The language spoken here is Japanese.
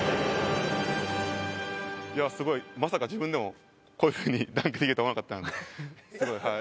いやすごいまさか自分でもこういうふうにダンクできると思わなかったのですごいはい。